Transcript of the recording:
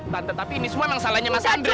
tante tapi ini semua memang salahnya mas andre